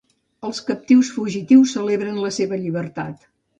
Els captius fugitius celebren la seva llibertat.